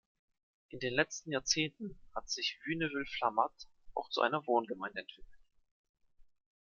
In den letzten Jahrzehnten hat sich Wünnewil-Flamatt auch zu einer Wohngemeinde entwickelt.